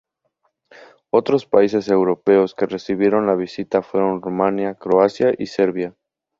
Otros países europeos que recibieron la visita fueron Rumanía, Croacia y Serbia.